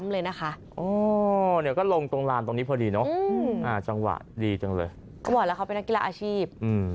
แล้วเขาเป็นนักกีฬาอาชีพ